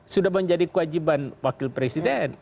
sudah menjadi kewajiban wakil presiden